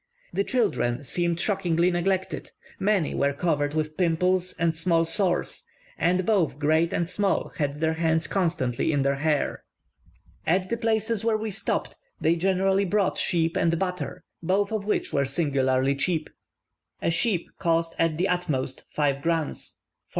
The children seemed shockingly neglected; many were covered with pimples and small sores; and both great and small had their hands constantly in their hair. At the places where we stopped they generally brought sheep and butter, both of which were singularly cheap. A sheep cost at the utmost five krans (4s.